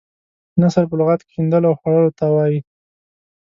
نثر په لغت کې شیندلو او خورولو ته وايي.